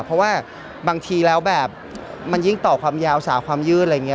เพราะว่าบางทีแล้วแบบมันยิ่งต่อความยาวสาวความยืดอะไรอย่างนี้